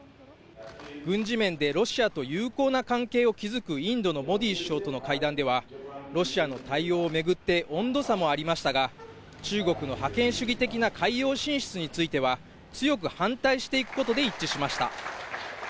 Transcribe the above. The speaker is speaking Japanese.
軍事面でロシアと友好な関係を築くインドのモディ首相との会談では、ロシアの対応を巡って温度差もありましたが、中国の覇権主義的な海洋進出については強く反対していくことで一致しました。